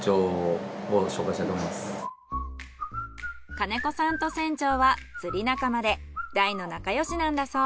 兼子さんと船長は釣り仲間で大の仲よしなんだそう。